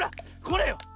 これよ。